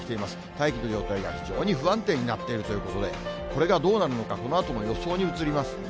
大気の状態が非常に不安定になっているということで、これがどうなるのか、このあとの予想に移ります。